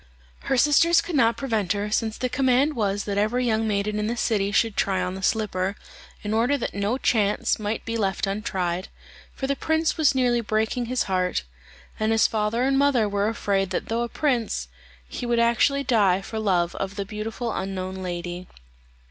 Her sisters could not prevent her, since the command was that every young maiden in the city should try on the slipper, in order that no chance might be left untried, for the prince was nearly breaking his heart; and his father and mother were afraid that though a prince, he would actually die for love of the beautiful unknown lady.